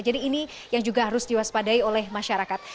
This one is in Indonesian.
jadi ini yang juga harus diwaspadai oleh masyarakat